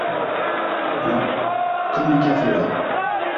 Blanc comme du café au lait !